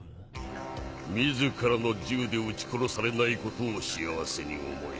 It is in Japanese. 自らの銃で撃ち殺されないことを幸せに思え。